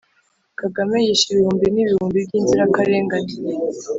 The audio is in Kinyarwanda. kagame yishe ibihumbi n'ibihumbi by'inzirakarengane